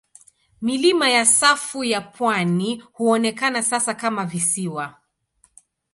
Milima ya safu ya pwani huonekana sasa kama visiwa.